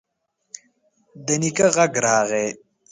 د نيکه غږ راغی: